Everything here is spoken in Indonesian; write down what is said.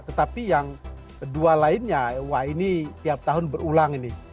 tetapi yang dua lainnya wah ini tiap tahun berulang ini